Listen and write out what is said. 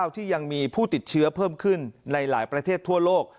ที่ยังมีผู้ติดเชื้อเพิ่มขึ้นในหลายประเทศทั่วโลก